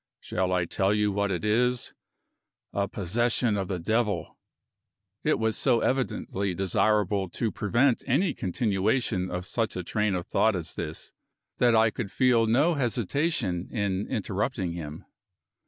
"Shall I tell you what it is? A possession of the devil." It was so evidently desirable to prevent any continuation of such a train of thought as this, that I could feel no hesitation in interrupting him.